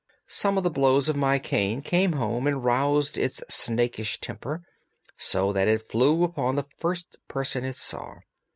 Some of the blows of my cane came home and roused its snakish temper, so that it flew upon the first person it saw.